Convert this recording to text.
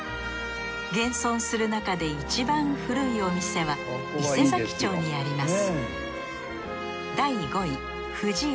現存するなかで一番古いお店は伊勢佐木町にあります